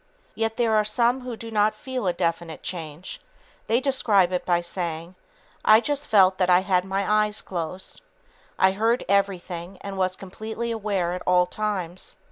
Yet, there are some who do not feel a definite change. They describe it by saying, "I just felt that I had my eyes closed. I heard everything and was completely aware at all times."